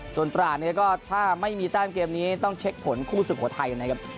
ส่วนตราดเนี่ยก็ถ้าไม่มีแต้มเกมนี้ต้องเช็คผลคู่สุโขทัยนะครับ